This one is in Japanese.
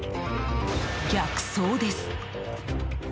逆走です。